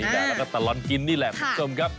และตลอดกินนี้แหละ